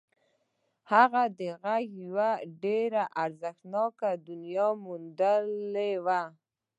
هغه د غږ یوه ډېره ارزښتناکه دنیا موندلې وه